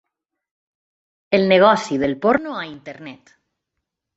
El negoci del porno a internet.